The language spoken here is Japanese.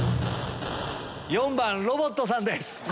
４番ロボットさんです！